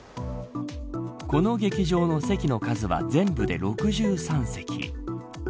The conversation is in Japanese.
この劇場の席の数は全部で６３席。